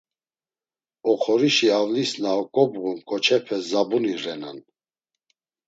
Oxorişi avlis na oǩobğun ǩoçepe zabuni renan.